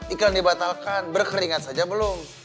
iklan dibatalkan berkeringat saja belum